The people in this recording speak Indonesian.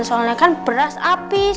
soalnya kan beras habis